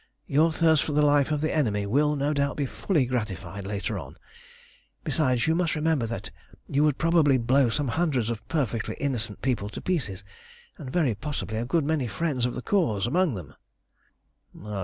Your thirst for the life of the enemy will, no doubt, be fully gratified later on. Besides, you must remember that you would probably blow some hundreds of perfectly innocent people to pieces, and very possibly a good many friends of the Cause among them."